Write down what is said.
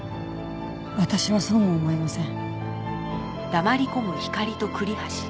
私はそうも思えません。